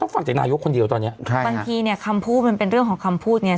ฟังจากนายกคนเดียวตอนเนี้ยครับบางทีเนี่ยคำพูดมันเป็นเรื่องของคำพูดเนี้ย